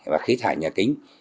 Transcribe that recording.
và khí thải nhà kính